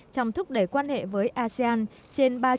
trong thúc đẩy quan hệ với asean trên ba nước